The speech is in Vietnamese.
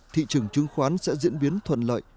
thị trường chứng khoán sẽ diễn biến thuận lợi